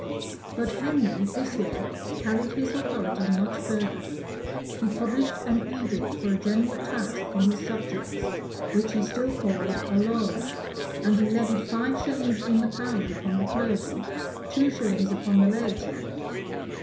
But Henry, this year, carried his authority much further. He published an edict for a general tax upon his subjects, which he still called a loan; and he levied five shillings in the pound upon the clergy, two shillings upon the laity.